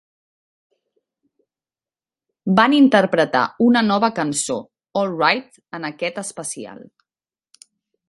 Van interpretar una nova cançó, "Alright", en aquest especial.